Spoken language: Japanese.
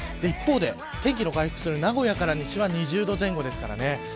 一方で天気の回復する名古屋から西は２０度前後ですからね。